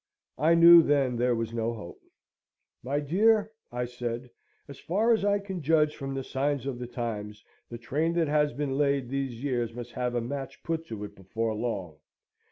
I knew then there was no hope. "My dear," I said, "as far as I can judge from the signs of the times, the train that has been laid these years must have a match put to it before long.